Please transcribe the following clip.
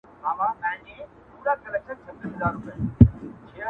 زه به له خپل دياره ولاړ سمه~